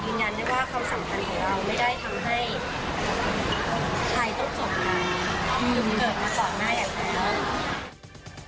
มีความลืมเกิดมาส่วนหน้าอย่างนั้น